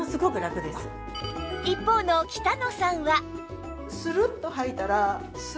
一方の北野さんは